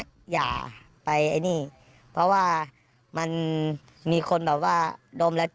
คือการออกนิดจะแรงกว่าเคนมผงไหม